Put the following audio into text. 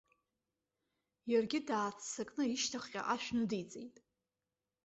Иаргьы дааццакны ишьҭахьҟа ашә ныдиҵеит.